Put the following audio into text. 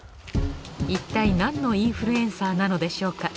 いったい何のインフルエンサーなのでしょうか？